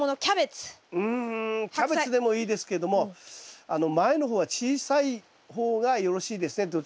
キャベツでもいいですけども前の方は小さい方がよろしいですね。